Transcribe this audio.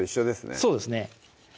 そうですね